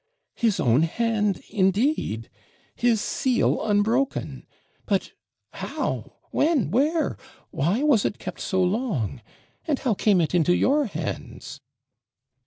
'His own hand indeed! His seal unbroken. But how when where why was it kept so long, and how came it into your hands?'